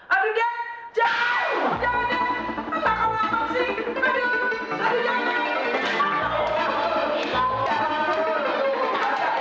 aduh dia jalan